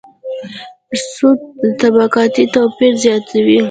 سود طبقاتي توپیر زیاتوي.